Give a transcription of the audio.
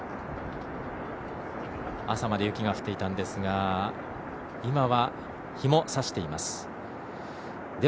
朝まで雪が降っていたんですが今は、日も差しています。